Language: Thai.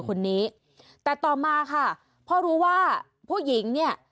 คนนี้แต่ต่อมาค่ะเพราะรู้ว่าผู้หญิงเนี่ย